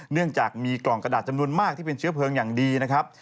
เนื่องจากมีกล่องกระดาษจำนวนมากที่เป็นเชื้อเพลิงอย่างดีนะครับ